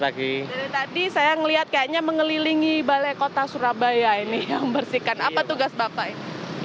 dari tadi saya melihat kayaknya mengelilingi balai kota surabaya ini yang membersihkan apa tugas bapak ini